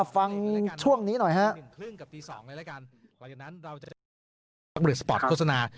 พิมงานรึเปล่า